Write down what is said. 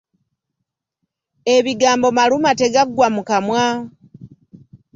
Ebigambo maluma tegaggwa mu kamwa.